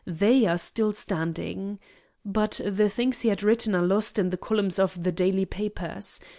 They are still standing. But the things he had written are lost in the columns of the daily papers.